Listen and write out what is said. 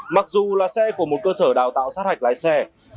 mặc dù là xe của một cơ sở đào tạo sát hạch lái xe